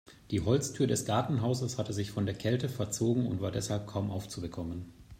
Die Holztür des Gartenhauses hatte sich von der Kälte verzogen und war deshalb kaum aufzubekommen.